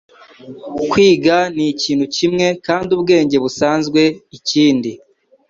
Kwiga nikintu kimwe kandi ubwenge busanzwe ikindi